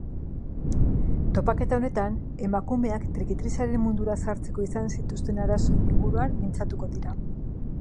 Topaketa honetan emakumeak trikitixaren mundura sartzeko izan zituzten arazoen inguruan mintzatuko dira.